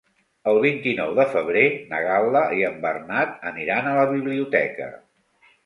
El vint-i-nou de febrer na Gal·la i en Bernat aniran a la biblioteca.